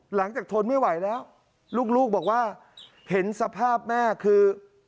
ทนไม่ไหวแล้วลูกบอกว่าเห็นสภาพแม่คือ